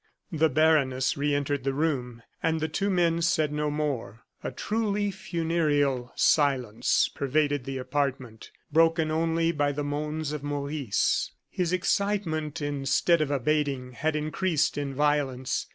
The baroness re entered the room, and the two men said no more. A truly funereal silence pervaded the apartment, broken only by the moans of Maurice. His excitement instead of abating had increased in violence.